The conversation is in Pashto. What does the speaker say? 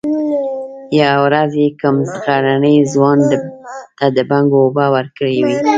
يوه ورځ يې کوم غرني ځوان ته د بنګو اوبه ورکړې وې.